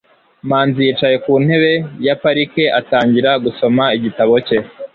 manzi yicaye ku ntebe ya parike atangira gusoma igitabo cye